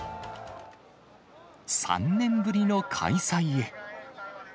３年ぶりの開催へ。